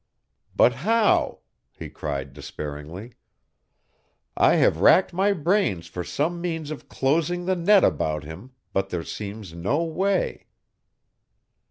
"But how?" he cried despairingly. "I have racked my brains for some means of closing the net about him, but there seems no way."